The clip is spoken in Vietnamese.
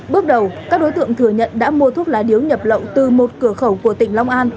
bước đầu các đối tượng thừa nhận đã mua thuốc lá điếu nhập lậu từ một cửa khẩu của tỉnh long an